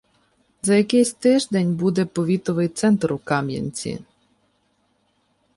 За якийсь тиждень буде повітовий центр у Кам’янці.